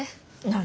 何？